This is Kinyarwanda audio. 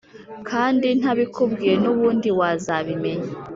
kandi ntabikubwiye nubundi wazabimenya